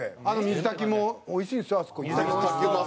あの水たきもおいしいんですよ